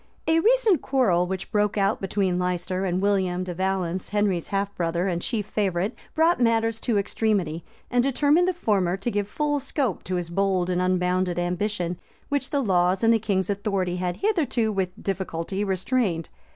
A recent quarrel which broke out between Leicester and William de Valence, Henry's half brother and chief favorite, brought matters to extremity,[*] and determined the former to give full scope to his bold and unbounded ambition, which the laws and the king's authority had hitherto with difficulty restrained.